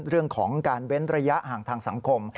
เรื่องของการเว้นระยะห่างทางสังคม